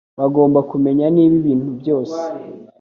bagomba kumenya niba ibintu byose